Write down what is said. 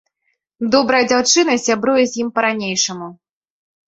Добрая дзяўчына, сябруе з ім па-ранейшаму.